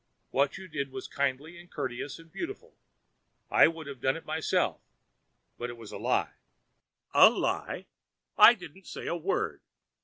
What you did was kindly and courteous and beautiful; I would have done it myself; but it was a lie.' 'A lie? I didn't say a word.